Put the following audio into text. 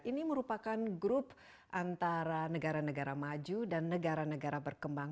ini merupakan grup antara negara negara maju dan negara negara berkembang